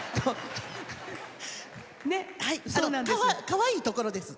かわいいところです！